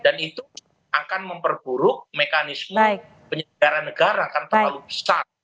dan itu akan memperburuk mekanisme penyelidikan negara akan terlalu besar